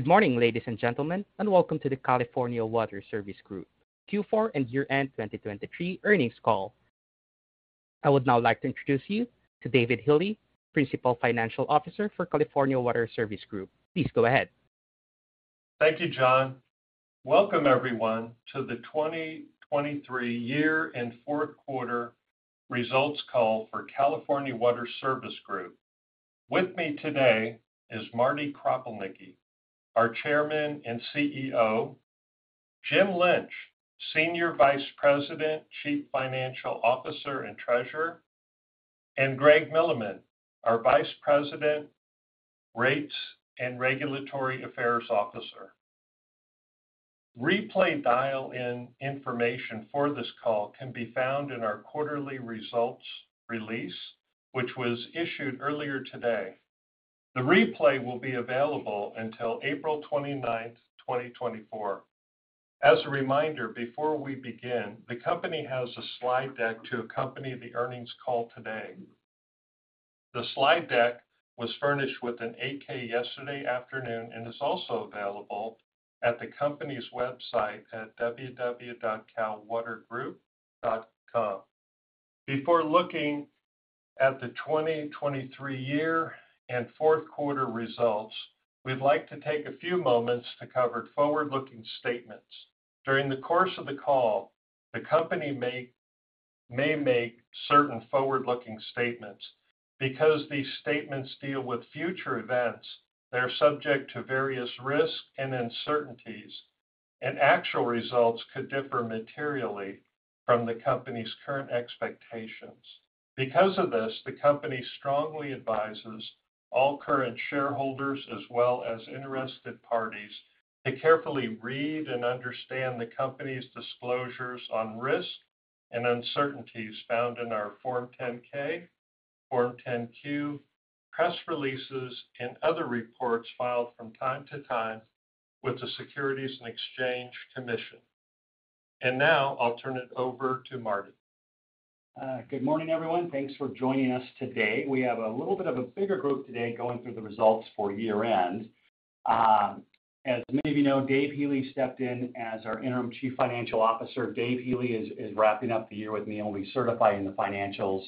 Good morning, ladies and gentlemen, and welcome to the California Water Service Group Q4 and Year-end 2023 Earnings Call. I would now like to introduce you to David Healey, Principal Financial Officer for California Water Service Group. Please go ahead. Thank you, John. Welcome, everyone, to the 2023 Year and Fourth Quarter Results Call for California Water Service Group. With me today is Marty Kropelnicki, our Chairman and CEO; Jim Lynch, Senior Vice President, Chief Financial Officer and Treasurer; and Greg Milleman, our Vice President, Rates and Regulatory Affairs Officer. Replay dial-in information for this call can be found in our quarterly results release, which was issued earlier today. The replay will be available until April 29, 2024. As a reminder, before we begin, the company has a slide deck to accompany the earnings call today. The slide deck was furnished with an 8-K yesterday afternoon and is also available at the company's website at www.calwatergroup.com. Before looking at the 2023 year and fourth quarter results, we'd like to take a few moments to cover forward-looking statements. During the course of the call, the company may make certain forward-looking statements. Because these statements deal with future events, they're subject to various risk and uncertainties, and actual results could differ materially from the company's current expectations. Because of this, the company strongly advises all current shareholders as well as interested parties to carefully read and understand the company's disclosures on risk and uncertainties found in our Form 10-K, Form 10-Q, press releases, and other reports filed from time to time with the Securities and Exchange Commission. Now I'll turn it over to Marty. Good morning, everyone. Thanks for joining us today. We have a little bit of a bigger group today going through the results for year-end. As many of you know, Dave Healey stepped in as our interim Chief Financial Officer. Dave Healey is wrapping up the year with me, only certifying the financials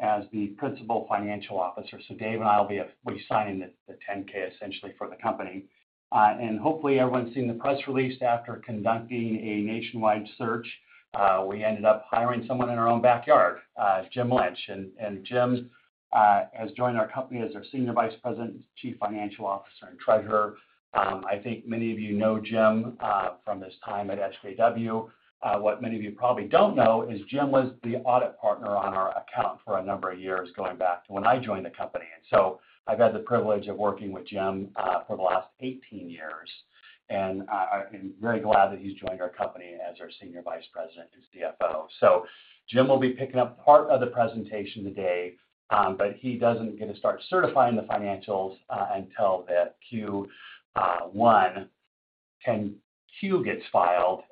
as the Principal Financial Officer. So Dave and I will be signing the 10-K, essentially, for the company. Hopefully, everyone's seen the press release. After conducting a nationwide search, we ended up hiring someone in our own backyard, Jim Lynch. Jim has joined our company as our Senior Vice President, Chief Financial Officer, and Treasurer. I think many of you know Jim from his time at SJW. What many of you probably don't know is Jim was the audit partner on our account for a number of years going back to when I joined the company. So I've had the privilege of working with Jim for the last 18 years, and I'm very glad that he's joined our company as our Senior Vice President and CFO. So Jim will be picking up part of the presentation today, but he doesn't get to start certifying the financials until that Q1, 10-Q gets filed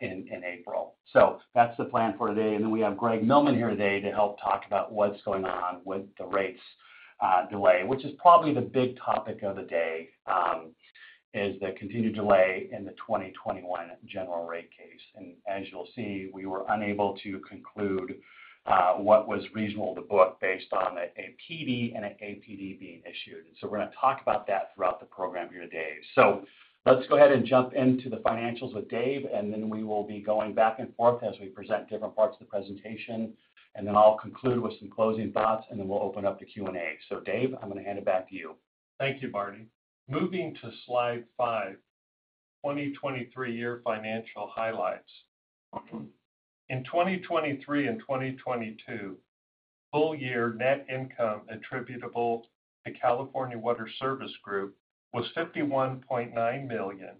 in April. So that's the plan for today. Then we have Greg Milleman here today to help talk about what's going on with the rates delay, which is probably the big topic of the day: the continued delay in the 2021 General Rate Case. As you'll see, we were unable to conclude what was reasonable to book based on a PD and an APD being issued. So we're going to talk about that throughout the program here today. Let's go ahead and jump into the financials with Dave, and then we will be going back and forth as we present different parts of the presentation. Then I'll conclude with some closing thoughts, and then we'll open up the Q&A. Dave, I'm going to hand it back to you. Thank you, Marty. Moving to slide 5, 2023-year financial highlights. In 2023 and 2022, full-year net income attributable to California Water Service Group was $51.9 million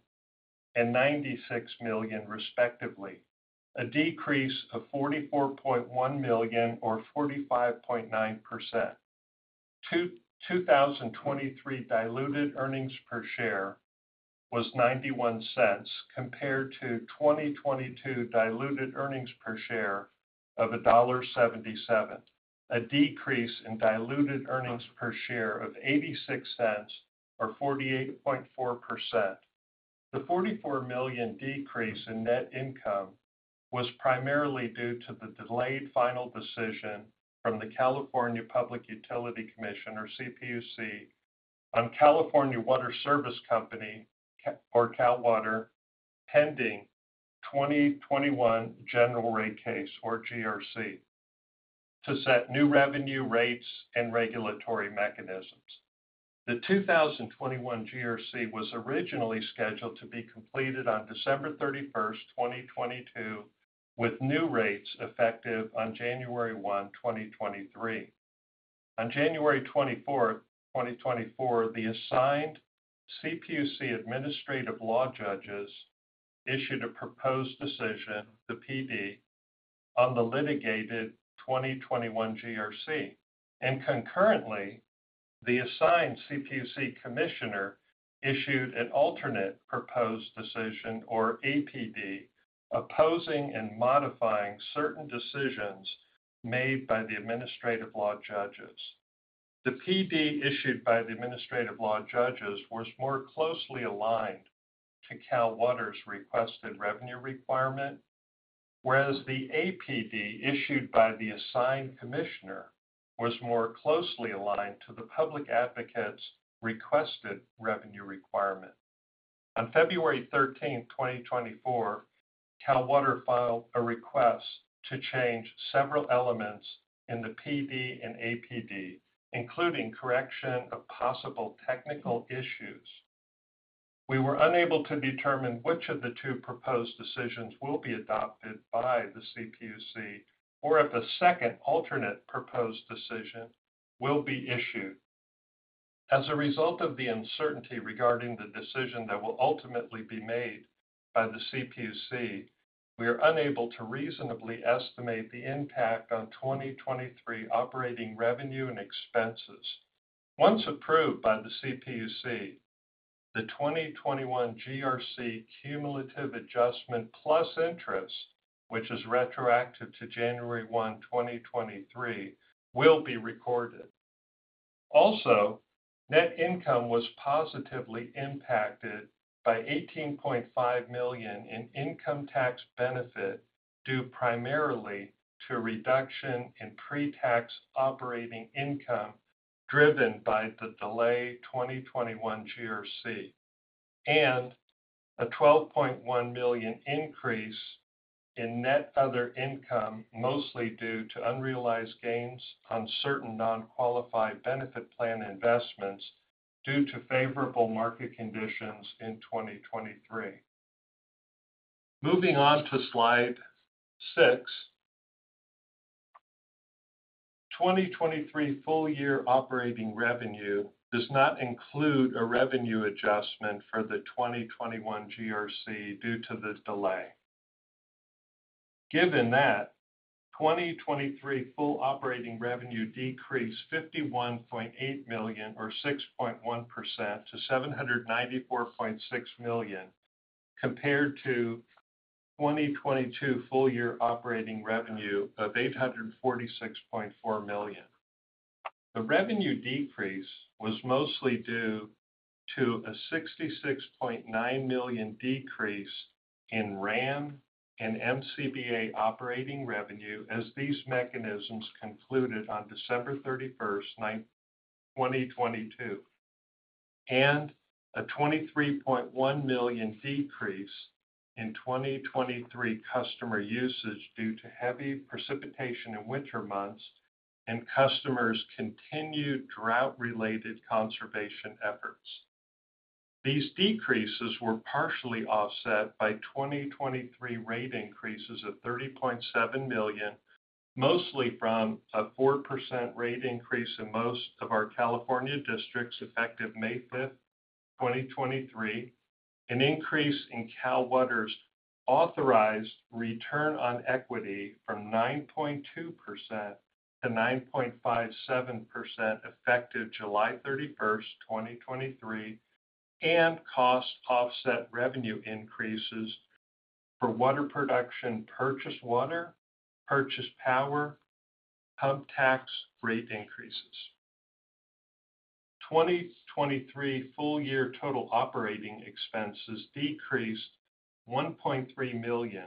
and $96 million, respectively, a decrease of $44.1 million or 45.9%. 2023 diluted earnings per share was $0.91 compared to 2022 diluted earnings per share of $1.77, a decrease in diluted earnings per share of $0.86 or 48.4%. The $44 million decrease in net income was primarily due to the delayed final decision from the California Public Utilities Commission, or CPUC, on California Water Service, or Cal Water, pending 2021 General Rate Case, or GRC, to set new revenue rates and regulatory mechanisms. The 2021 GRC was originally scheduled to be completed on December 31, 2022, with new rates effective on January 1, 2023. On January 24, 2024, the assigned CPUC administrative law judges issued a proposed decision, the PD, on the litigated 2021 GRC. Concurrently, the assigned CPUC commissioner issued an alternate proposed decision, or APD, opposing and modifying certain decisions made by the administrative law judges. The PD issued by the administrative law judges was more closely aligned to Cal Water's requested revenue requirement, whereas the APD issued by the assigned commissioner was more closely aligned to the public advocates' requested revenue requirement. On February 13, 2024, Cal Water filed a request to change several elements in the PD and APD, including correction of possible technical issues. We were unable to determine which of the two proposed decisions will be adopted by the CPUC or if a second alternate proposed decision will be issued. As a result of the uncertainty regarding the decision that will ultimately be made by the CPUC, we are unable to reasonably estimate the impact on 2023 operating revenue and expenses. Once approved by the CPUC, the 2021 GRC cumulative adjustment plus interest, which is retroactive to January 1, 2023, will be recorded. Also, net income was positively impacted by $18.5 million in income tax benefit due primarily to reduction in pre-tax operating income driven by the delayed 2021 GRC, and a $12.1 million increase in net other income mostly due to unrealized gains on certain non-qualified benefit plan investments due to favorable market conditions in 2023. Moving on to slide 6, 2023 full-year operating revenue does not include a revenue adjustment for the 2021 GRC due to the delay. Given that, 2023 full operating revenue decreased $51.8 million or 6.1% to $794.6 million compared to 2022 full-year operating revenue of $846.4 million. The revenue decrease was mostly due to a $66.9 million decrease in WRAM and MCBA operating revenue as these mechanisms concluded on December 31, 2022, and a $23.1 million decrease in 2023 customer usage due to heavy precipitation in winter months and customers' continued drought-related conservation efforts. These decreases were partially offset by 2023 rate increases of $30.7 million, mostly from a 4% rate increase in most of our California districts effective May 5, 2023, an increase in Cal Water's authorized return on equity from 9.2%-9.57% effective July 31, 2023, and cost offset revenue increases for water production, purchased water, purchased power, pump tax rate increases. 2023 full-year total operating expenses decreased $1.3 million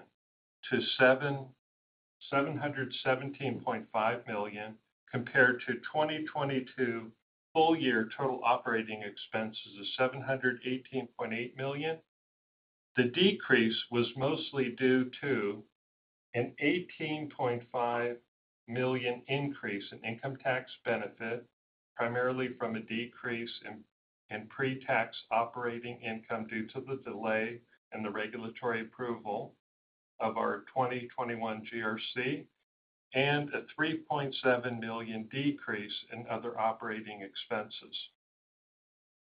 to $717.5 million compared to 2022 full-year total operating expenses of $718.8 million. The decrease was mostly due to an $18.5 million increase in income tax benefit, primarily from a decrease in pre-tax operating income due to the delay and the regulatory approval of our 2021 GRC, and a $3.7 million decrease in other operating expenses,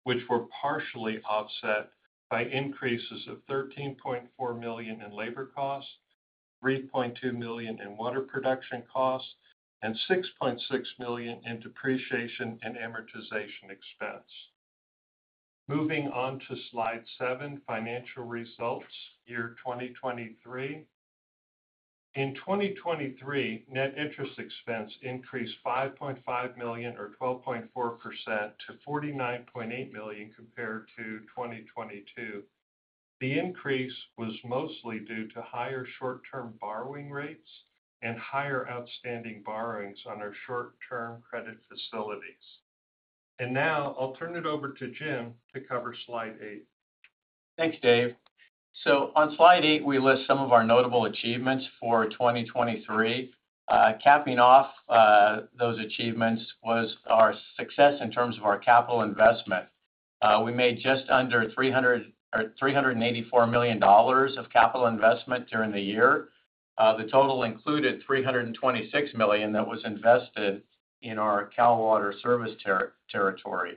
which were partially offset by increases of $13.4 million in labor costs, $3.2 million in water production costs, and $6.6 million in depreciation and amortization expense. Moving on to slide 7, financial results year 2023. In 2023, net interest expense increased $5.5 million or 12.4% to $49.8 million compared to 2022. The increase was mostly due to higher short-term borrowing rates and higher outstanding borrowings on our short-term credit facilities. Now I'll turn it over to Jim to cover slide 8. Thanks, Dave. So on slide 8, we list some of our notable achievements for 2023. Capping off those achievements was our success in terms of our capital investment. We made just under $384 million of capital investment during the year. The total included $326 million that was invested in our Cal Water Service territory.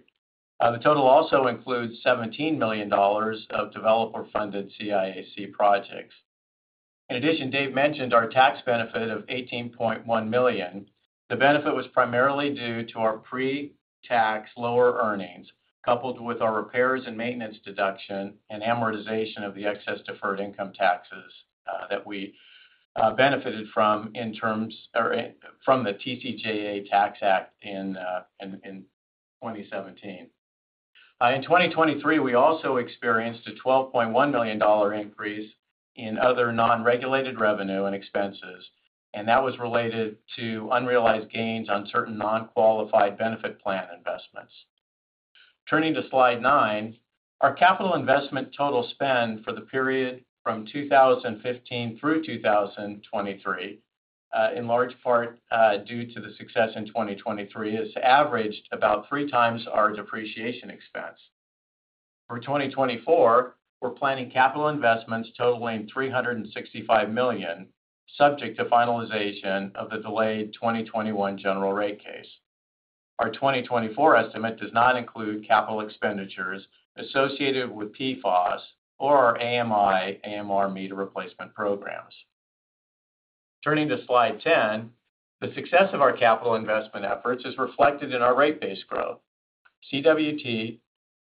The total also includes $17 million of developer-funded CIAC projects. In addition, Dave mentioned our tax benefit of $18.1 million. The benefit was primarily due to our pre-tax lower earnings, coupled with our repairs and maintenance deduction and amortization of the excess deferred income taxes that we benefited from in terms of from the TCJA Tax Act in 2017. In 2023, we also experienced a $12.1 million increase in other non-regulated revenue and expenses, and that was related to unrealized gains on certain non-qualified benefit plan investments. Turning to slide 9, our capital investment total spend for the period from 2015 through 2023, in large part due to the success in 2023, has averaged about three times our depreciation expense. For 2024, we're planning capital investments totaling $365 million, subject to finalization of the delayed 2021 General Rate Case. Our 2024 estimate does not include capital expenditures associated with PFAS or our AMI/AMR meter replacement programs. Turning to slide 10, the success of our capital investment efforts is reflected in our rate-based growth. CWT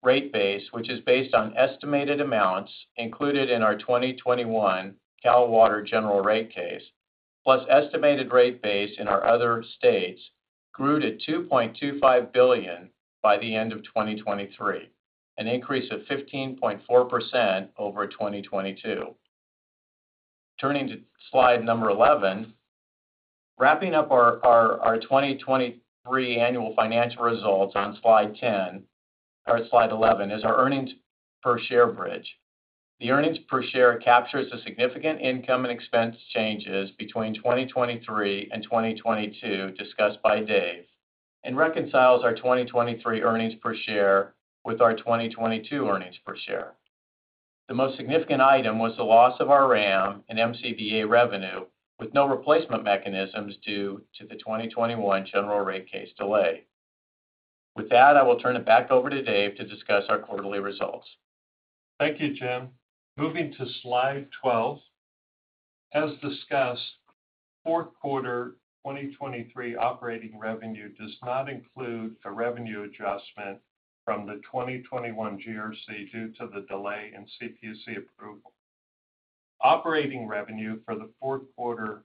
rate-based, which is based on estimated amounts included in our 2021 Cal Water General Rate Case, plus estimated rate-based in our other states, grew to $2.25 billion by the end of 2023, an increase of 15.4% over 2022. Turning to slide number 11, wrapping up our 2023 annual financial results on slide 10 or slide 11 is our earnings per share bridge. The earnings per share captures the significant income and expense changes between 2023 and 2022 discussed by Dave and reconciles our 2023 earnings per share with our 2022 earnings per share. The most significant item was the loss of our WRAM and MCBA revenue with no replacement mechanisms due to the 2021 General Rate Case delay. With that, I will turn it back over to Dave to discuss our quarterly results. Thank you, Jim. Moving to slide 12, as discussed, Fourth Quarter 2023 operating revenue does not include a revenue adjustment from the 2021 GRC due to the delay in CPUC approval. Operating revenue for the Fourth Quarter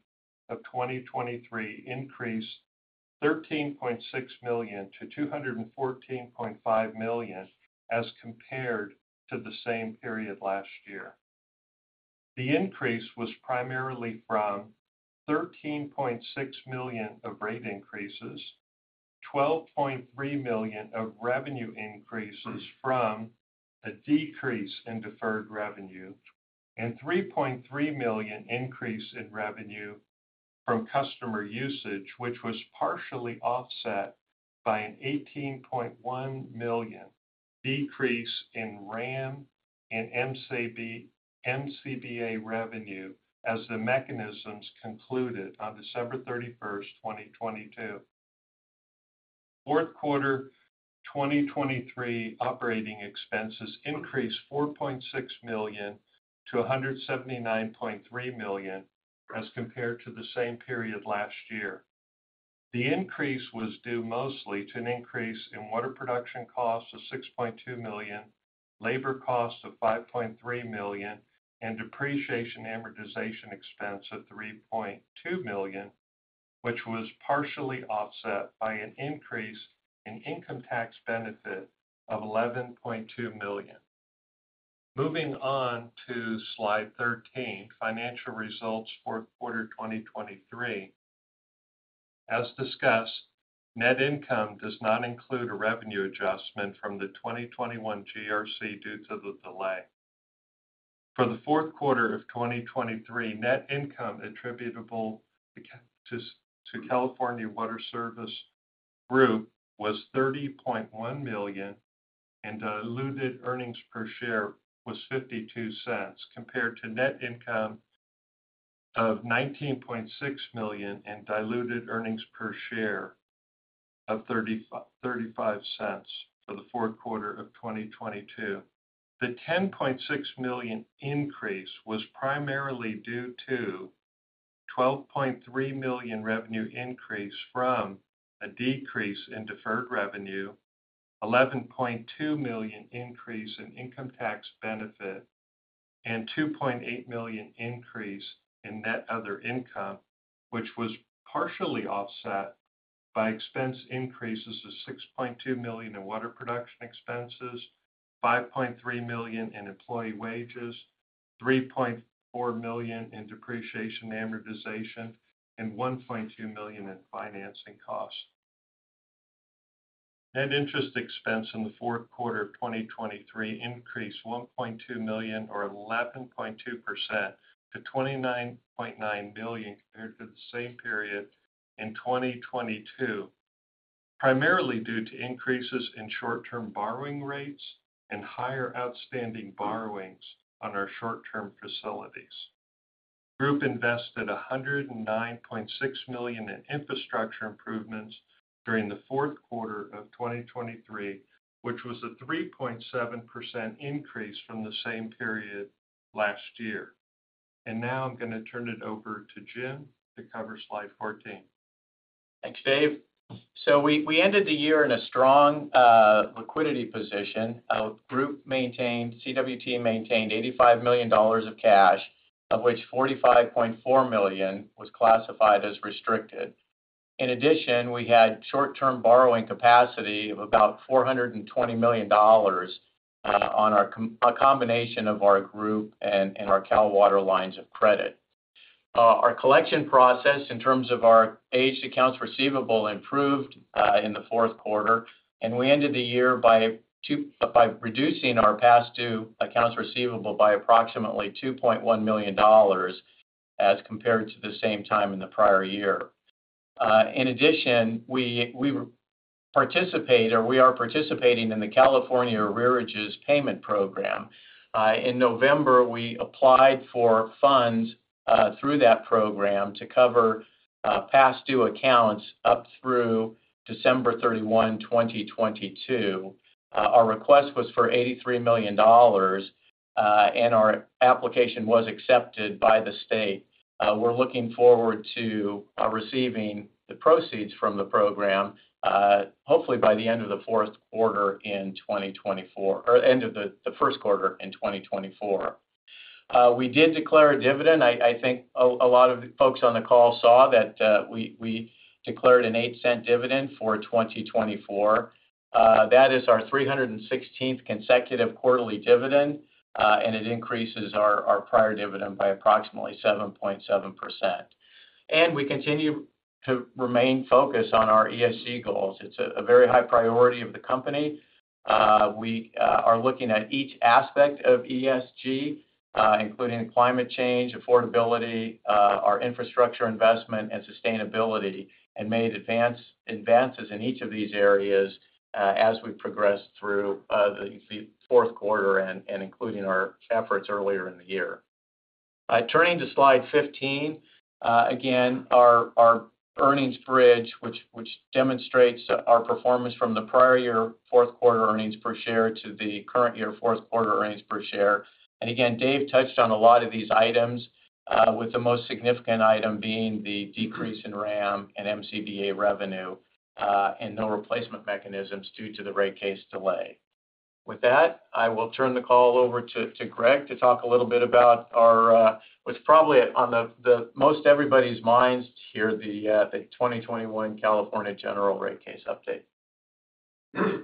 of 2023 increased $13.6 million-$214.5 million as compared to the same period last year. The increase was primarily from $13.6 million of rate increases, $12.3 million of revenue increases from a decrease in deferred revenue, and $3.3 million increase in revenue from customer usage, which was partially offset by an $18.1 million decrease in WRAM and MCBA revenue as the mechanisms concluded on December 31, 2022. Fourth Quarter 2023 operating expenses increased $4.6 million to $179.3 million as compared to the same period last year. The increase was due mostly to an increase in water production costs of $6.2 million, labor costs of $5.3 million, and depreciation amortization expense of $3.2 million, which was partially offset by an increase in income tax benefit of $11.2 million. Moving on to slide 13, financial results fourth quarter 2023. As discussed, net income does not include a revenue adjustment from the 2021 GRC due to the delay. For the fourth quarter of 2023, net income attributable to California Water Service Group was $30.1 million, and diluted earnings per share was $0.52 compared to net income of $19.6 million and diluted earnings per share of $0.35 for the fourth quarter of 2022. The $10.6 million increase was primarily due to $12.3 million revenue increase from a decrease in deferred revenue, $11.2 million increase in income tax benefit, and $2.8 million increase in net other income, which was partially offset by expense increases of $6.2 million in water production expenses, $5.3 million in employee wages, $3.4 million in depreciation amortization, and $1.2 million in financing costs. Net interest expense in the fourth quarter of 2023 increased $1.2 million or 11.2% to $29.9 million compared to the same period in 2022, primarily due to increases in short-term borrowing rates and higher outstanding borrowings on our short-term facilities. The group invested $109.6 million in infrastructure improvements during the fourth quarter of 2023, which was a 3.7% increase from the same period last year. Now I'm going to turn it over to Jim to cover slide 14. Thanks, Dave. So we ended the year in a strong liquidity position. CWT maintained $85 million of cash, of which $45.4 million was classified as restricted. In addition, we had short-term borrowing capacity of about $420 million on a combination of our group and our Cal Water lines of credit. Our collection process in terms of our aged accounts receivable improved in the fourth quarter, and we ended the year by reducing our past due accounts receivable by approximately $2.1 million as compared to the same time in the prior year. In addition, we participate or we are participating in the California Arrearage Payment Program. In November, we applied for funds through that program to cover past due accounts up through December 31, 2022. Our request was for $83 million, and our application was accepted by the state. We're looking forward to receiving the proceeds from the program, hopefully by the end of the fourth quarter in 2024 or end of the first quarter in 2024. We did declare a dividend. I think a lot of folks on the call saw that we declared a $0.08 dividend for 2024. That is our 316th consecutive quarterly dividend, and it increases our prior dividend by approximately 7.7%. We continue to remain focused on our ESG goals. It's a very high priority of the company. We are looking at each aspect of ESG, including climate change, affordability, our infrastructure investment, and sustainability, and made advances in each of these areas as we progressed through the fourth quarter and including our efforts earlier in the year. Turning to slide 15, again, our earnings bridge, which demonstrates our performance from the prior year fourth quarter earnings per share to the current year fourth quarter earnings per share. Again, Dave touched on a lot of these items, with the most significant item being the decrease in WRAM and MCBA revenue and no replacement mechanisms due to the rate case delay. With that, I will turn the call over to Greg to talk a little bit about what's probably on most everybody's minds here, the 2021 California General Rate Case update.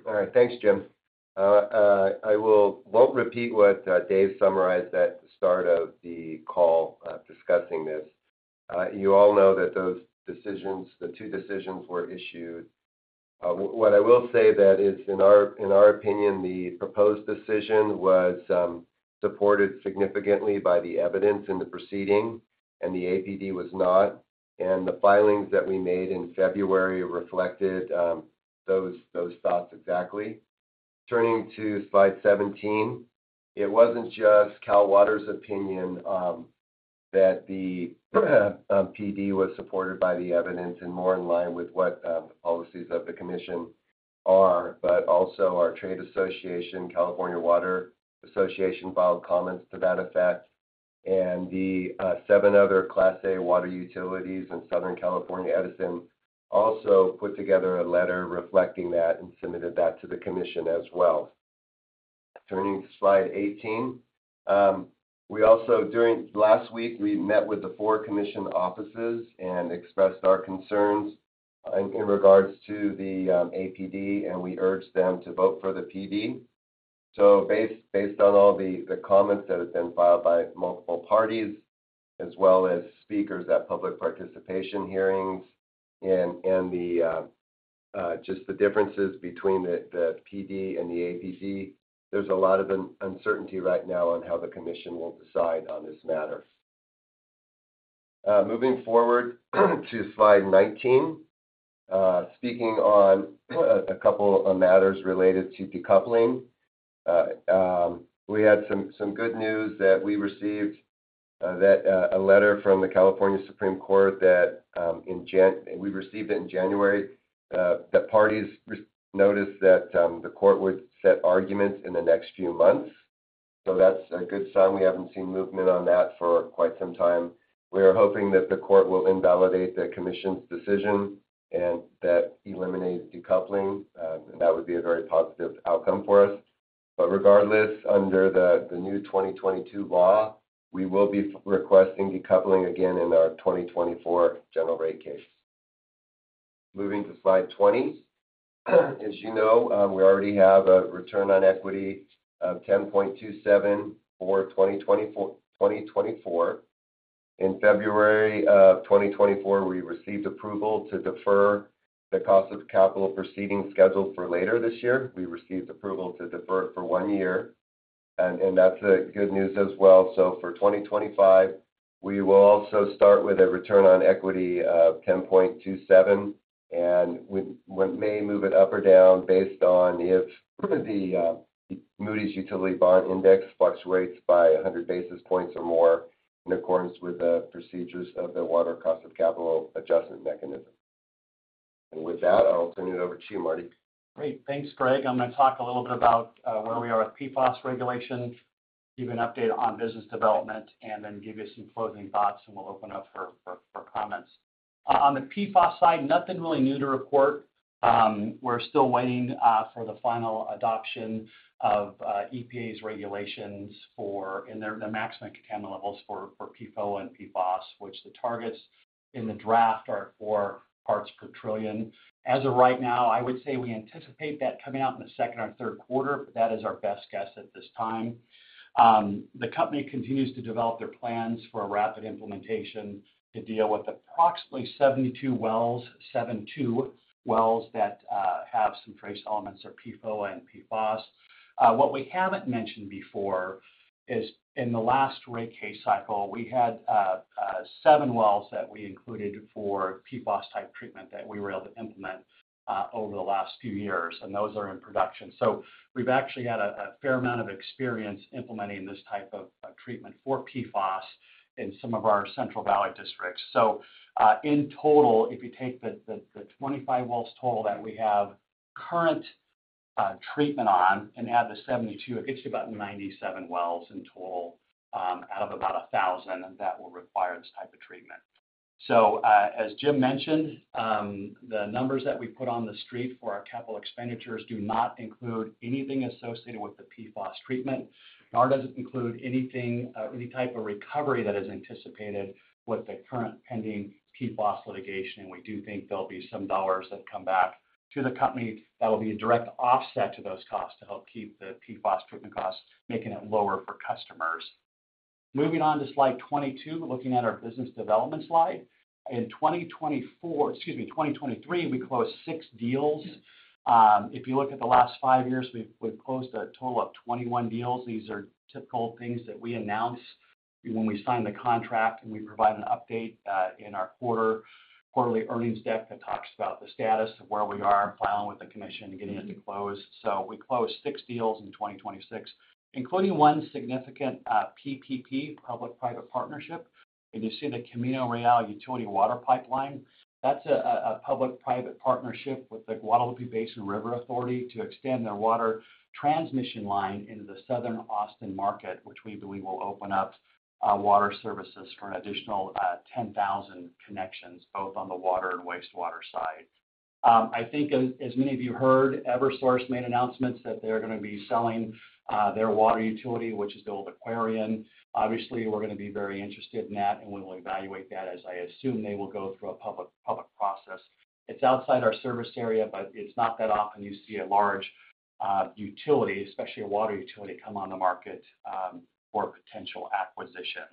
All right. Thanks, Jim. I won't repeat what Dave summarized at the start of the call discussing this. You all know that those decisions, the two decisions, were issued. What I will say that is, in our opinion, the proposed decision was supported significantly by the evidence in the proceeding, and the APD was not. And the filings that we made in February reflected those thoughts exactly. Turning to slide 17, it wasn't just Cal Water's opinion that the PD was supported by the evidence and more in line with what the policies of the commission are, but also our trade association, California Water Association, filed comments to that effect. And the seven other Class A water utilities in Southern California Edison also put together a letter reflecting that and submitted that to the commission as well. Turning to slide 18, we also during last week, we met with the four commission offices and expressed our concerns in regards to the APD, and we urged them to vote for the PD. So based on all the comments that have been filed by multiple parties as well as speakers at public participation hearings and just the differences between the PD and the APD, there's a lot of uncertainty right now on how the commission will decide on this matter. Moving forward to slide 19, speaking on a couple of matters related to decoupling, we had some good news that we received a letter from the California Supreme Court that in we received it in January that parties noticed that the court would set arguments in the next few months. So that's a good sign. We haven't seen movement on that for quite some time. We are hoping that the court will invalidate the commission's decision and that eliminates decoupling, and that would be a very positive outcome for us. But regardless, under the new 2022 law, we will be requesting decoupling again in our 2024 General Rate Case. Moving to slide 20, as you know, we already have a return on equity of 10.27 for 2024. In February of 2024, we received approval to defer the cost of capital proceedings scheduled for later this year. We received approval to defer it for one year, and that's good news as well. So for 2025, we will also start with a return on equity of 10.27 and may move it up or down based on if the Moody's Utility Bond Index fluctuates by 100 basis points or more in accordance with the procedures of the Water Cost of Capital Adjustment Mechanism. With that, I'll turn it over to you, Marty. Great. Thanks, Greg. I'm going to talk a little bit about where we are with PFAS regulation, give you an update on business development, and then give you some closing thoughts, and we'll open up for comments. On the PFAS side, nothing really new to report. We're still waiting for the final adoption of EPA's regulations for and the maximum contaminant levels for PFOA and PFAS, which the targets in the draft are 4 parts per trillion. As of right now, I would say we anticipate that coming out in the second or third quarter, but that is our best guess at this time. The company continues to develop their plans for a rapid implementation to deal with approximately 72 wells, 72 wells that have some trace elements of PFOA and PFAS. What we haven't mentioned before is, in the last rate case cycle, we had 7 wells that we included for PFAS-type treatment that we were able to implement over the last few years, and those are in production. So we've actually had a fair amount of experience implementing this type of treatment for PFAS in some of our Central Valley districts. So in total, if you take the 25 wells total that we have current treatment on and add the 72, it gets to about 97 wells in total out of about 1,000 that will require this type of treatment. So as Jim mentioned, the numbers that we put on the street for our capital expenditures do not include anything associated with the PFAS treatment. Nor does it include anything, any type of recovery that is anticipated with the current pending PFAS litigation. We do think there'll be some $ that come back to the company that will be a direct offset to those costs to help keep the PFAS treatment costs making it lower for customers. Moving on to slide 22, looking at our business development slide. In 2024, excuse me, 2023, we closed 6 deals. If you look at the last 5 years, we've closed a total of 21 deals. These are typical things that we announce when we sign the contract and we provide an update in our quarterly earnings deck that talks about the status of where we are filing with the commission and getting it to close. So we closed 6 deals in 2026, including 1 significant PPP, public-private partnership. And you see the Camino Real Utility Water Pipeline. That's a public-private partnership with the Guadalupe-Blanco River Authority to extend their water transmission line into the Southern Austin market, which we believe will open up water services for an additional 10,000 connections, both on the water and wastewater side. I think, as many of you heard, Eversource made announcements that they're going to be selling their water utility, which is the old Aquarion. Obviously, we're going to be very interested in that, and we will evaluate that as I assume they will go through a public process. It's outside our service area, but it's not that often you see a large utility, especially a water utility, come on the market for potential acquisition.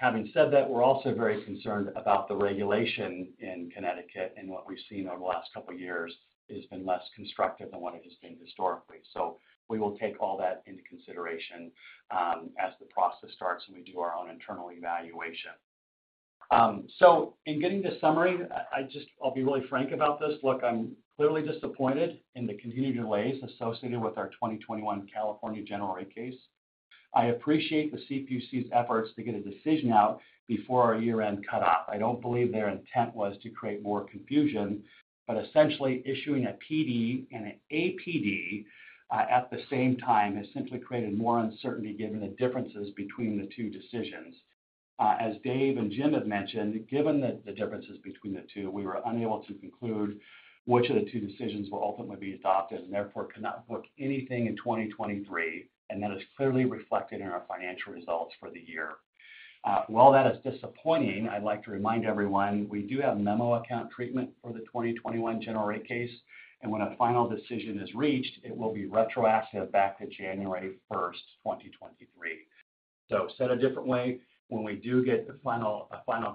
Having said that, we're also very concerned about the regulation in Connecticut, and what we've seen over the last couple of years has been less constructive than what it has been historically. So we will take all that into consideration as the process starts, and we do our own internal evaluation. So in getting to summary, I'll be really frank about this. Look, I'm clearly disappointed in the continued delays associated with our 2021 California General Rate Case. I appreciate the CPUC's efforts to get a decision out before our year-end cutoff. I don't believe their intent was to create more confusion, but essentially, issuing a PD and an APD at the same time has simply created more uncertainty given the differences between the two decisions. As Dave and Jim have mentioned, given the differences between the two, we were unable to conclude which of the two decisions will ultimately be adopted and therefore cannot book anything in 2023, and that is clearly reflected in our financial results for the year. While that is disappointing, I'd like to remind everyone, we do have memo account treatment for the 2021 General Rate Case, and when a final decision is reached, it will be retroactive back to January 1st, 2023. So said a different way, when we do get a final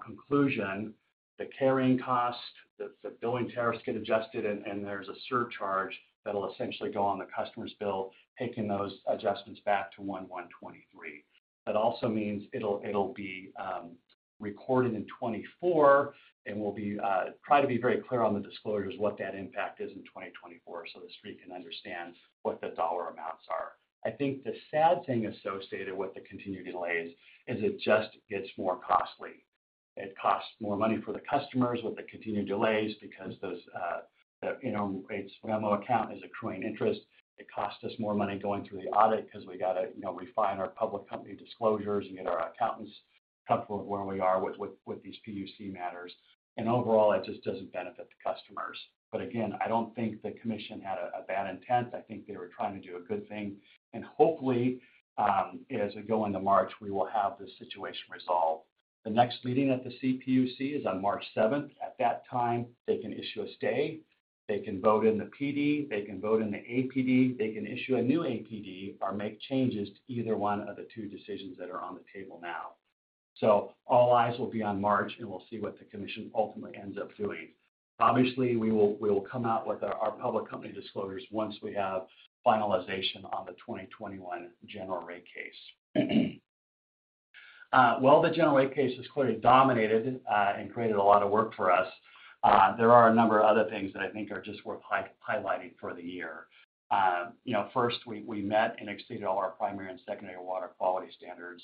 conclusion, the carrying cost, the billing tariffs get adjusted, and there's a surcharge that'll essentially go on the customer's bill, taking those adjustments back to 1/1/2023. That also means it'll be recorded in 2024 and we'll try to be very clear on the disclosures what that impact is in 2024 so the street can understand what the dollar amounts are. I think the sad thing associated with the continued delays is it just gets more costly. It costs more money for the customers with the continued delays because those memo account is accruing interest. It costs us more money going through the audit because we got to refine our public company disclosures and get our accountants comfortable with where we are with these CPUC matters. Overall, it just doesn't benefit the customers. But again, I don't think the commission had a bad intent. I think they were trying to do a good thing. Hopefully, as we go into March, we will have this situation resolved. The next meeting at the CPUC is on March 7th. At that time, they can issue a stay. They can vote in the PD. They can vote in the APD. They can issue a new APD or make changes to either one of the two decisions that are on the table now. All eyes will be on March, and we'll see what the commission ultimately ends up doing. Obviously, we will come out with our public company disclosures once we have finalization on the 2021 General Rate Case. While the General Rate Case has clearly dominated and created a lot of work for us, there are a number of other things that I think are just worth highlighting for the year. First, we met and exceeded all our primary and secondary water quality standards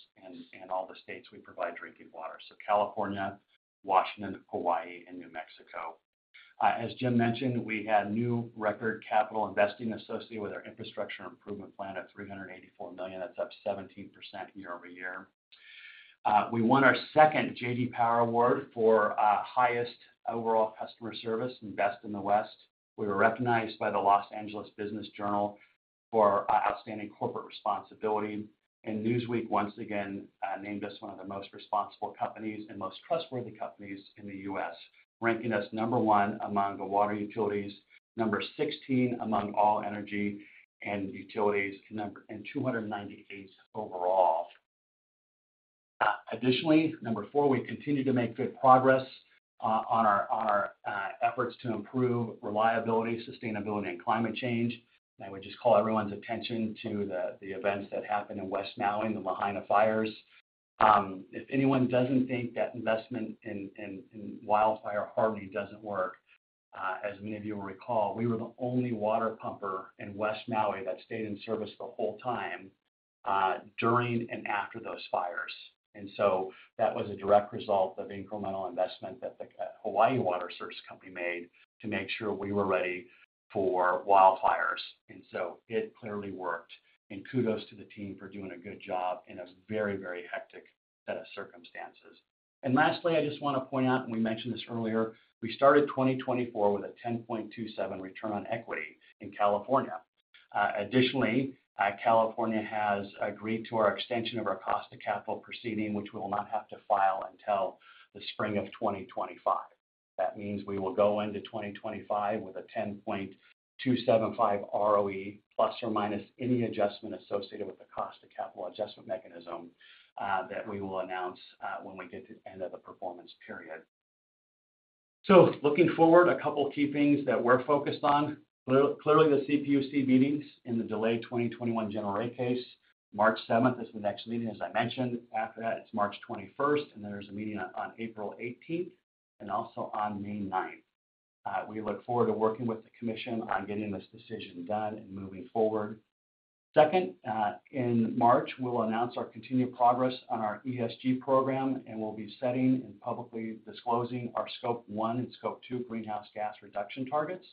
in all the states we provide drinking water, so California, Washington, Hawaii, and New Mexico. As Jim mentioned, we had new record capital investing associated with our infrastructure improvement plan at $384 million. That's up 17% year-over-year. We won our second J.D. Power Award for highest overall customer service and best in the West. We were recognized by the Los Angeles Business Journal for outstanding corporate responsibility. And Newsweek, once again, named us one of the most responsible companies and most trustworthy companies in the U.S., ranking us number 1 among the water utilities, number 16 among all energy and utilities, and number 298 overall. Additionally, number 4, we continue to make good progress on our efforts to improve reliability, sustainability, and climate change. And I would just call everyone's attention to the events that happened in West Maui, the Lahaina fires. If anyone doesn't think that investment in wildfire hardening doesn't work, as many of you will recall, we were the only water pumper in West Maui that stayed in service the whole time during and after those fires. And so that was a direct result of incremental investment that the Hawaii Water Service Company made to make sure we were ready for wildfires. And so it clearly worked. Kudos to the team for doing a good job in a very, very hectic set of circumstances. Lastly, I just want to point out, and we mentioned this earlier, we started 2024 with a 10.27 return on equity in California. Additionally, California has agreed to our extension of our cost of capital proceeding, which we will not have to file until the spring of 2025. That means we will go into 2025 with a 10.275 ROE, plus or minus any adjustment associated with the cost of capital adjustment mechanism that we will announce when we get to the end of the performance period. Looking forward, a couple of key things that we're focused on. Clearly, the CPUC meetings in the delayed 2021 General Rate Case, March 7th is the next meeting. As I mentioned, after that, it's March 21st, and then there's a meeting on April 18th and also on May 9th. We look forward to working with the commission on getting this decision done and moving forward. Second, in March, we'll announce our continued progress on our ESG program, and we'll be setting and publicly disclosing our Scope 1 and Scope 2 greenhouse gas reduction targets.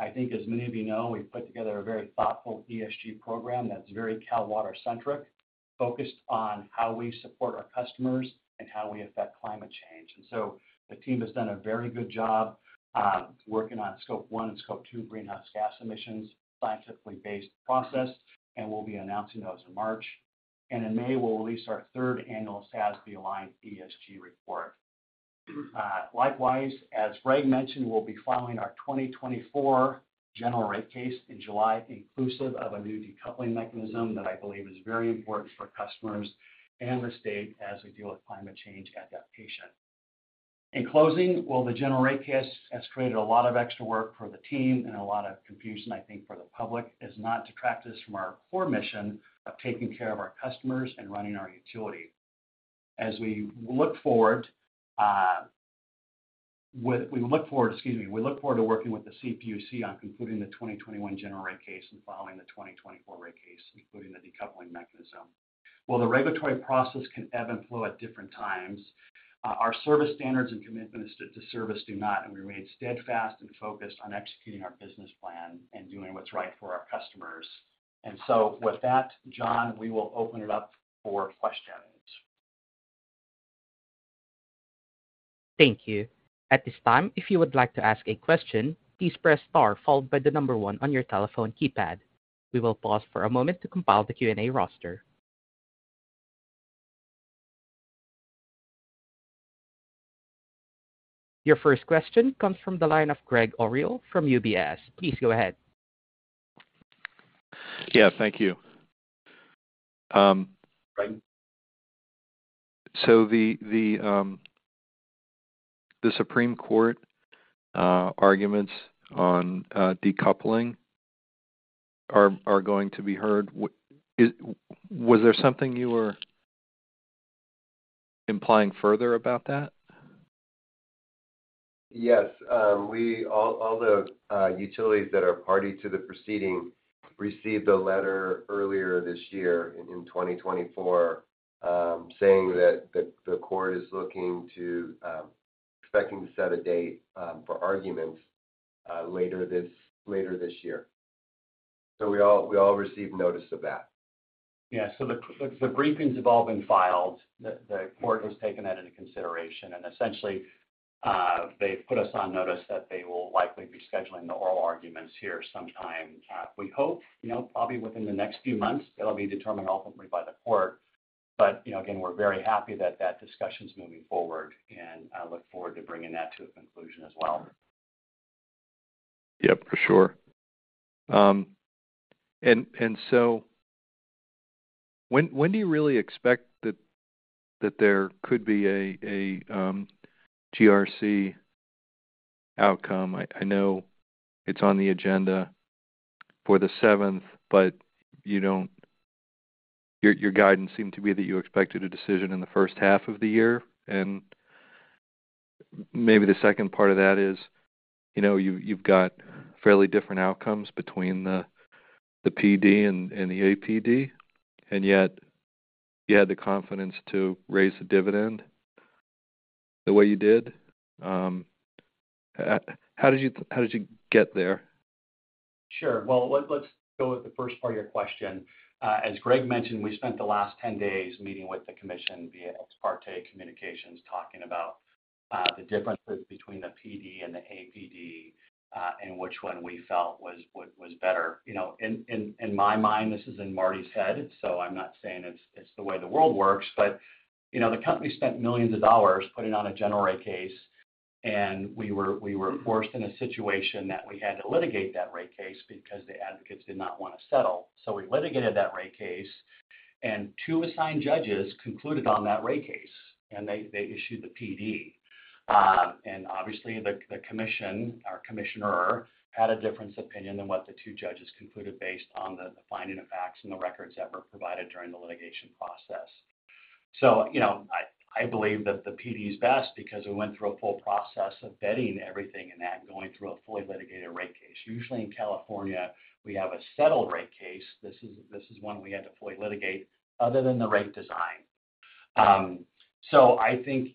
I think, as many of you know, we've put together a very thoughtful ESG program that's very Cal Water-centric, focused on how we support our customers and how we affect climate change. And so the team has done a very good job working on Scope 1 and Scope 2 greenhouse gas emissions, scientifically based process, and we'll be announcing those in March. And in May, we'll release our third annual SASB-aligned ESG report. Likewise, as Greg mentioned, we'll be filing our 2024 General Rate Case in July, inclusive of a new decoupling mechanism that I believe is very important for customers and the state as we deal with climate change adaptation. In closing, while the General Rate Case has created a lot of extra work for the team and a lot of confusion, I think for the public is not to let this distract us from our core mission of taking care of our customers and running our utility. We look forward to working with the CPUC on concluding the 2021 General Rate Case and filing the 2024 Rate Case, including the decoupling mechanism. While the regulatory process can ebb and flow at different times, our service standards and commitment to service do not. We remain steadfast and focused on executing our business plan and doing what's right for our customers. So with that, John, we will open it up for questions. Thank you. At this time, if you would like to ask a question, please press star followed by the number one on your telephone keypad. We will pause for a moment to compile the Q&A roster. Your first question comes from the line of Gregg Orrill from UBS. Please go ahead. Yeah. Thank you. The Supreme Court arguments on decoupling are going to be heard. Was there something you were implying further about that? Yes. All the utilities that are party to the proceeding received a letter earlier this year in 2024 saying that the court is looking to set a date for arguments later this year. So we all received notice of that. Yeah. So the briefings have all been filed. The court has taken that into consideration, and essentially, they've put us on notice that they will likely be scheduling the oral arguments here sometime. We hope, probably within the next few months. That'll be determined ultimately by the court. But again, we're very happy that that discussion's moving forward, and I look forward to bringing that to a conclusion as well. Yep. For sure. And so when do you really expect that there could be a GRC outcome? I know it's on the agenda for the 7th, but your guidance seemed to be that you expected a decision in the first half of the year. And maybe the second part of that is you've got fairly different outcomes between the PD and the APD, and yet you had the confidence to raise the dividend the way you did. How did you get there? Sure. Well, let's go with the first part of your question. As Greg mentioned, we spent the last 10 days meeting with the commission via Ex Parte Communications, talking about the differences between the PD and the APD and which one we felt was better. In my mind, this is in Marty's head, so I'm not saying it's the way the world works. But the company spent $ millions putting on a General Rate Case, and we were forced in a situation that we had to litigate that rate case because the advocates did not want to settle. So we litigated that rate case, and 2 assigned judges concluded on that rate case, and they issued the PD. Obviously, the commission, our commissioner, had a different opinion than what the two judges concluded based on the findings of facts and the records that were provided during the litigation process. So I believe that the PD is best because we went through a full process of vetting everything in that, going through a fully litigated rate case. Usually, in California, we have a settled rate case. This is one we had to fully litigate other than the rate design. So I think,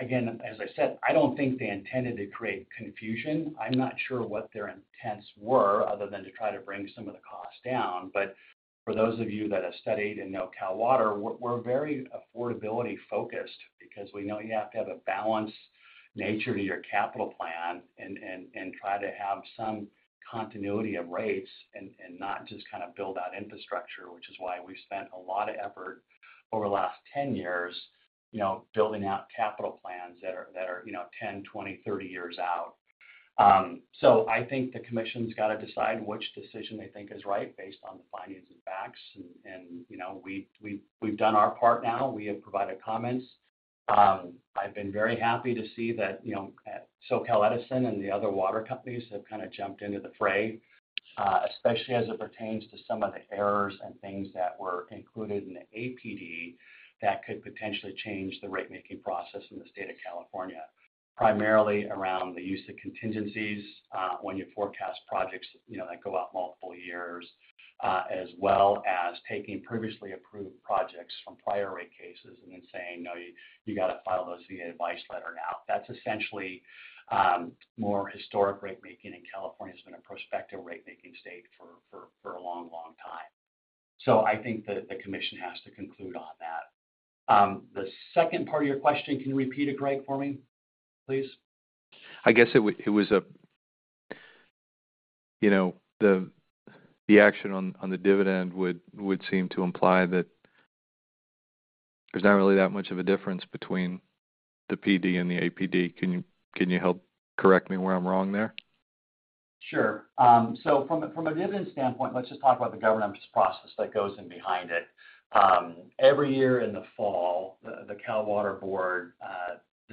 again, as I said, I don't think they intended to create confusion. I'm not sure what their intent was other than to try to bring some of the costs down. But for those of you that have studied and know Cal Water, we're very affordability-focused because we know you have to have a balanced nature to your capital plan and try to have some continuity of rates and not just kind of build out infrastructure, which is why we spent a lot of effort over the last 10 years building out capital plans that are 10, 20, 30 years out. So I think the commission's got to decide which decision they think is right based on the findings and facts. And we've done our part now. We have provided comments. I've been very happy to see that SoCal Edison and the other water companies have kind of jumped into the fray, especially as it pertains to some of the errors and things that were included in the APD that could potentially change the rate-making process in the state of California, primarily around the use of contingencies when you forecast projects that go out multiple years, as well as taking previously approved projects from prior rate cases and then saying, "No, you got to file those via advice letter now." That's essentially more historic rate-making. California has been a prospective rate-making state for a long, long time. So I think the commission has to conclude on that. The second part of your question, can you repeat it, Greg, for me, please? I guess it was the action on the dividend would seem to imply that there's not really that much of a difference between the PD and the APD. Can you help correct me where I'm wrong there? Sure. So from a dividend standpoint, let's just talk about the governance process that goes in behind it. Every year in the fall, the Cal Water Board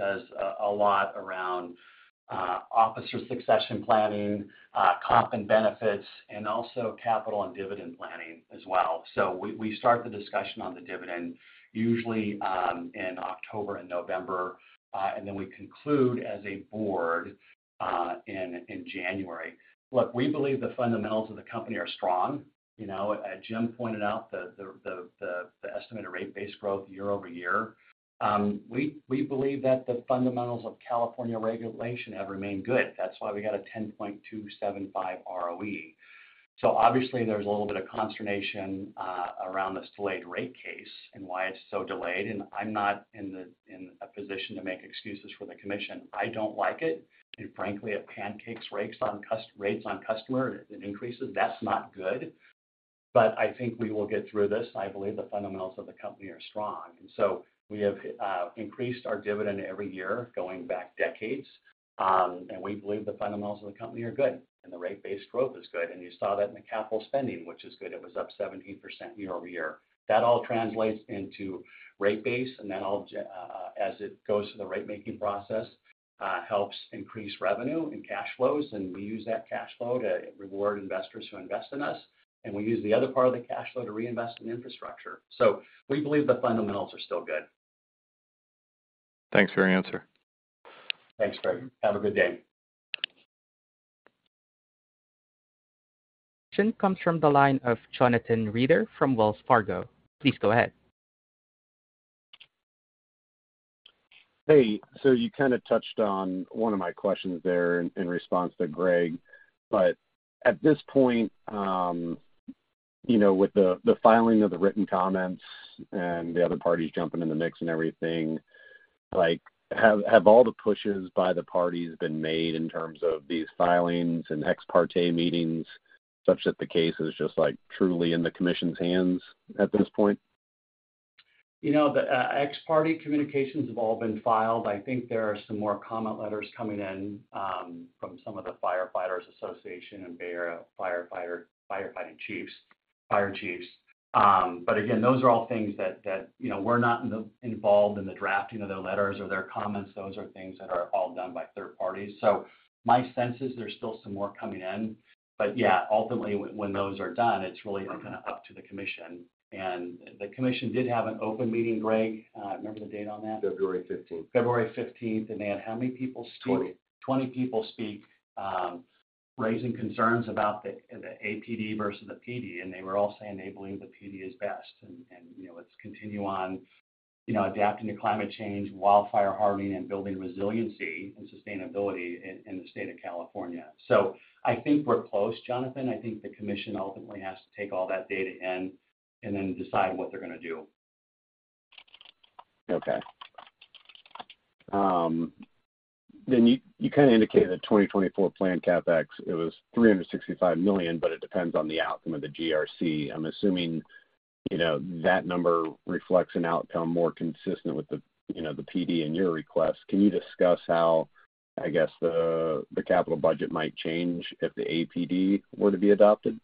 does a lot around officer succession planning, comp and benefits, and also capital and dividend planning as well. So we start the discussion on the dividend usually in October and November, and then we conclude as a board in January. Look, we believe the fundamentals of the company are strong. As Jim pointed out, the estimated rate-based growth year-over-year, we believe that the fundamentals of California regulation have remained good. That's why we got a 10.275% ROE. So obviously, there's a little bit of consternation around this delayed rate case and why it's so delayed. And I'm not in a position to make excuses for the commission. I don't like it. And frankly, it pancakes rates on customer and increases. That's not good. But I think we will get through this. I believe the fundamentals of the company are strong. And so we have increased our dividend every year going back decades, and we believe the fundamentals of the company are good, and the rate-based growth is good. And you saw that in the capital spending, which is good. It was up 17% year-over-year. That all translates into rate-base, and then as it goes through the rate-making process, helps increase revenue and cash flows. And we use that cash flow to reward investors who invest in us, and we use the other part of the cash flow to reinvest in infrastructure. So we believe the fundamentals are still good. Thanks for your answer. Thanks, Greg. Have a good day. Question comes from the line of Jonathan Reeder from Wells Fargo. Please go ahead. Hey. So you kind of touched on one of my questions there in response to Greg. But at this point, with the filing of the written comments and the other parties jumping in the mix and everything, have all the pushes by the parties been made in terms of these filings and ex parte meetings such that the case is just truly in the commission's hands at this point? The Ex Parte Communications have all been filed. I think there are some more comment letters coming in from some of the firefighters' association and firefighting chiefs. But again, those are all things that we're not involved in the drafting of their letters or their comments. Those are things that are all done by third parties. So my sense is there's still some more coming in. But yeah, ultimately, when those are done, it's really kind of up to the commission. And the commission did have an open meeting, Greg. Remember the date on that? February 15th. February 15th. They had how many people speak? 20. 20 people speak raising concerns about the APD versus the PD, and they were all saying they believe the PD is best. Let's continue on adapting to climate change, wildfire hardening, and building resiliency and sustainability in the state of California. I think we're close, Jonathan. I think the commission ultimately has to take all that data in and then decide what they're going to do. Okay. Then you kind of indicated the 2024 planned CapEx. It was $365 million, but it depends on the outcome of the GRC. I'm assuming that number reflects an outcome more consistent with the PD and your request. Can you discuss how, I guess, the capital budget might change if the APD were to be adopted?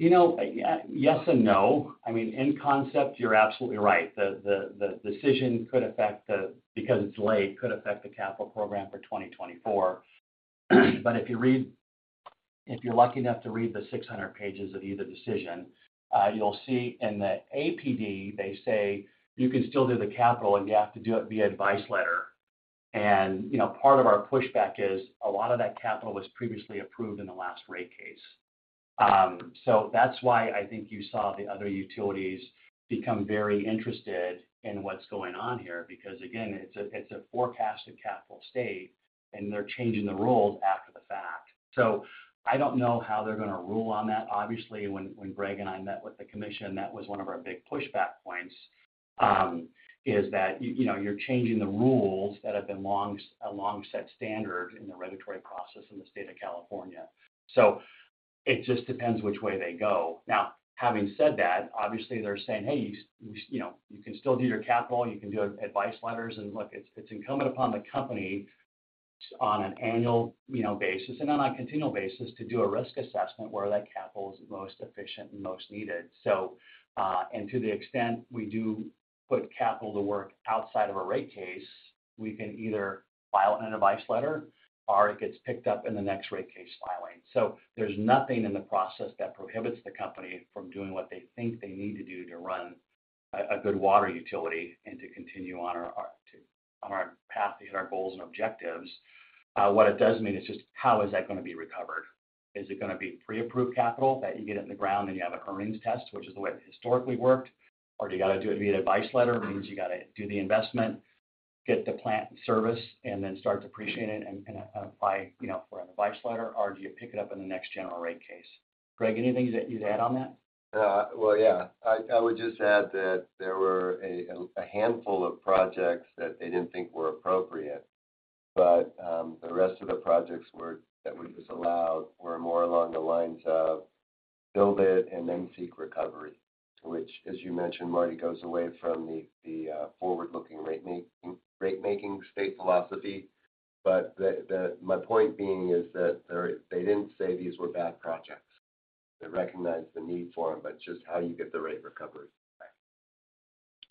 Yes and no. I mean, in concept, you're absolutely right. The decision could affect the because it's late, could affect the capital program for 2024. But if you're lucky enough to read the 600 pages of either decision, you'll see in the APD, they say you can still do the capital, and you have to do it via advice letter. And part of our pushback is a lot of that capital was previously approved in the last rate case. So that's why I think you saw the other utilities become very interested in what's going on here because, again, it's a forecasted capital state, and they're changing the rules after the fact. So I don't know how they're going to rule on that. Obviously, when Greg and I met with the commission, that was one of our big pushback points, is that you're changing the rules that have been a long-set standard in the regulatory process in the state of California. It just depends which way they go. Now, having said that, obviously, they're saying, "Hey, you can still do your capital. You can do advice letters." Look, it's incumbent upon the company on an annual basis and on a continual basis to do a risk assessment where that capital is most efficient and most needed. To the extent we do put capital to work outside of a rate case, we can either file an advice letter or it gets picked up in the next rate case filing. So there's nothing in the process that prohibits the company from doing what they think they need to do to run a good water utility and to continue on our path to hit our goals and objectives. What it does mean is just how is that going to be recovered? Is it going to be pre-approved capital that you get it in the ground and you have an earnings test, which is the way it historically worked? Or do you got to do it via advice letter? It means you got to do the investment, get the plant service, and then start to appreciate it and apply for an advice letter? Or do you pick it up in the next General Rate Case? Greg, anything you'd add on that? Well, yeah. I would just add that there were a handful of projects that they didn't think were appropriate. But the rest of the projects that were just allowed were more along the lines of build it and then seek recovery, which, as you mentioned, Marty, goes away from the forward-looking rate-making state philosophy. But my point being is that they didn't say these were bad projects. They recognized the need for them, but just how you get the rate recovered.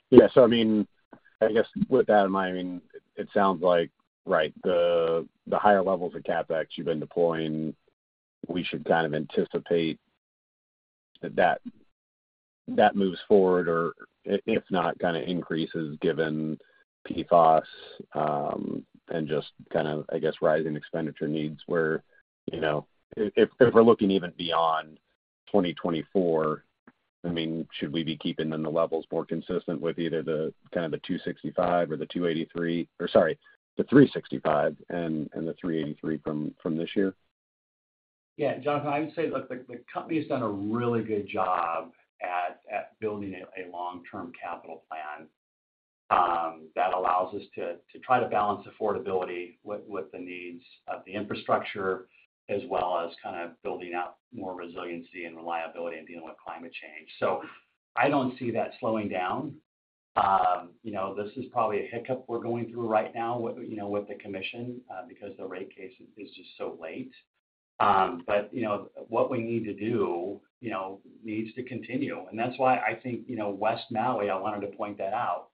Yeah. So I mean, I guess with that in mind, I mean, it sounds like, right, the higher levels of CapEx you've been deploying, we should kind of anticipate that that moves forward or, if not, kind of increases given PFOS and just kind of, I guess, rising expenditure needs where if we're looking even beyond 2024, I mean, should we be keeping then the levels more consistent with either kind of the $265 or the $283 or sorry, the $365 and the $383 from this year? Yeah. Jonathan, I would say, look, the company has done a really good job at building a long-term capital plan that allows us to try to balance affordability with the needs of the infrastructure as well as kind of building out more resiliency and reliability and dealing with climate change. So I don't see that slowing down. This is probably a hiccup we're going through right now with the commission because the rate case is just so late. But what we need to do needs to continue. And that's why I think West Maui, I wanted to point that out.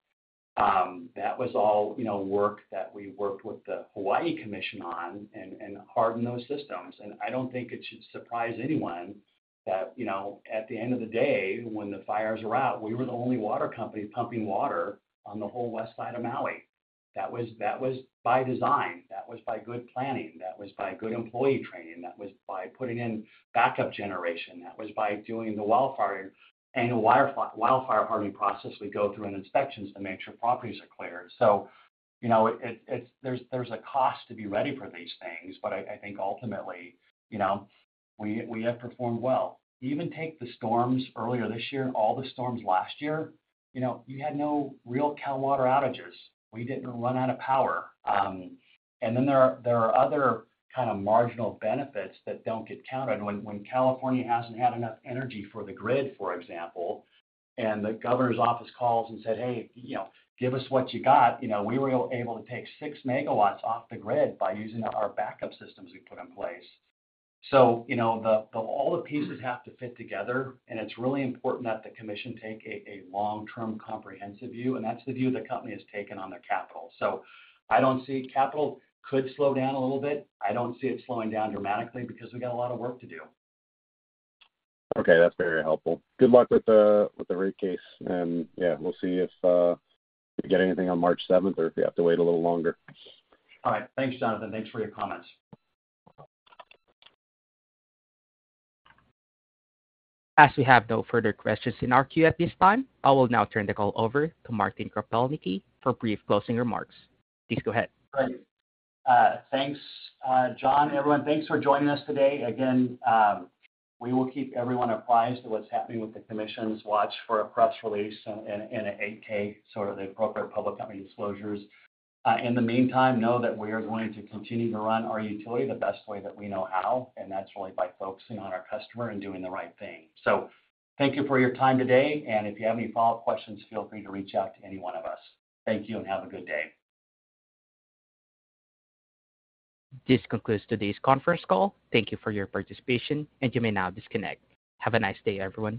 That was all work that we worked with the Hawaii Commission on and harden those systems. And I don't think it should surprise anyone that at the end of the day, when the fires were out, we were the only water company pumping water on the whole west side of Maui. That was by design. That was by good planning. That was by good employee training. That was by putting in backup generation. That was by doing the wildfire hardening process we go through and inspections to make sure properties are cleared. So there's a cost to be ready for these things. But I think ultimately, we have performed well. Even take the storms earlier this year and all the storms last year. You had no real Cal Water outages. We didn't run out of power. And then there are other kind of marginal benefits that don't get counted. When California hasn't had enough energy for the grid, for example, and the governor's office calls and said, "Hey, give us what you got," we were able to take 6 megawatts off the grid by using our backup systems we put in place. So all the pieces have to fit together. It's really important that the commission take a long-term, comprehensive view. That's the view the company has taken on their capital. So I don't see capital could slow down a little bit. I don't see it slowing down dramatically because we got a lot of work to do. Okay. That's very helpful. Good luck with the rate case. Yeah, we'll see if we get anything on March 7th or if we have to wait a little longer. All right. Thanks, Jonathan. Thanks for your comments. As we have no further questions in our queue at this time, I will now turn the call over to Martin Kropelnicki for brief closing remarks. Please go ahead. Great. Thanks, John. Everyone, thanks for joining us today. Again, we will keep everyone apprised of what's happening with the commission's watch for a press release and an 8-K, sort of the appropriate public company disclosures. In the meantime, know that we are going to continue to run our utility the best way that we know how, and that's really by focusing on our customer and doing the right thing. So thank you for your time today. And if you have any follow-up questions, feel free to reach out to any one of us. Thank you and have a good day. This concludes today's conference call. Thank you for your participation, and you may now disconnect. Have a nice day, everyone.